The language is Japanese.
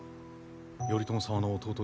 頼朝様の弟君